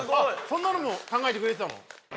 そんなのも考えてくれてたの？